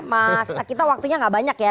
mas kita waktunya gak banyak ya